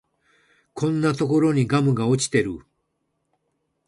こんなところにガムが落ちてる